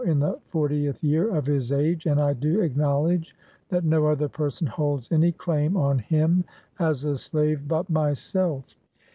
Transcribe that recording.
in the fortieth year of his age, and I do acknowledge that no other person holds any claim on him as a slave but myself.